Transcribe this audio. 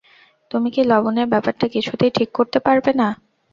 তুমি কি লবণের ব্যাপারটা কিছুতেই ঠিক করতে পারবে না?